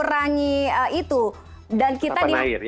resapan air ya